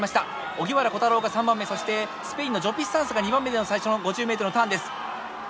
荻原虎太郎が３番目そしてスペインのジョピスサンスが２番目での最初の５０ｍのターンです。